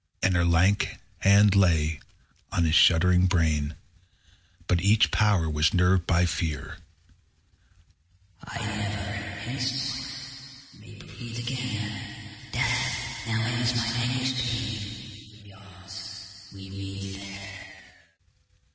_90 17. And her lank hand lay on his shuddering brain; But each power was nerved by fear.